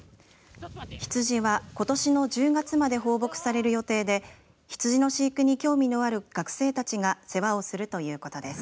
ヒツジは、ことしの１０月まで放牧される予定でヒツジの飼育に興味のある学生たちが世話をするということです。